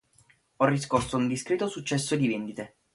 Ha riscosso un discreto successo di vendite.